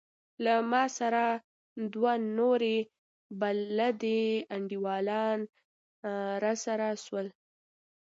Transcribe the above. له ما سره دوه نور بلدي انډيوالان راسره سول.